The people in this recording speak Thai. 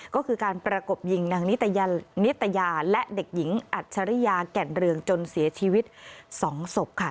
ก็คือการประกบยิงนางนิตยาและเด็กหญิงอัจฉริยาแก่นเรืองจนเสียชีวิต๒ศพค่ะ